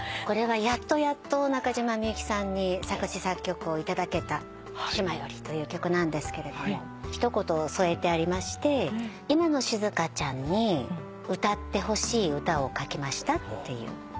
これはやっとやっと中島みゆきさんに作詞作曲をいただけた『島より』という曲なんですけど一言添えてありまして「今の静香ちゃんに歌ってほしい歌を書きました」っていう。